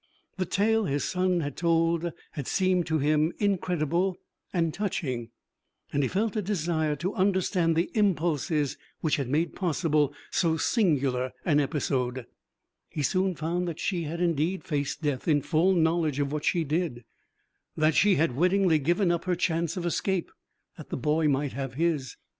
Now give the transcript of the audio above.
The tale his son had told had seemed to him incredible and touching, and he felt a desire to understand the impulses which had made possible so singular an episode. He soon found that she had indeed faced death in full knowledge of what she did; that she had wittingly given up her chance of escape that the boy might have his.